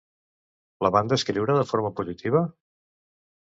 La van descriure de forma positiva?